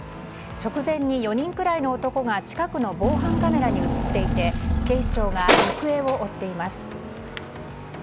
直前に４人くらいの男が近くの防犯カメラに映っていて警視庁が行方を追っています。